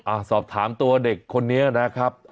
สอบถามตัวเด็กคนนี้นะครับ